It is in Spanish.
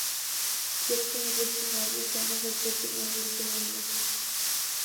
Quiero que mi próximo álbum sea mejor que el primero y el segundo.